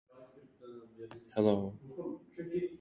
— Joze Mariya!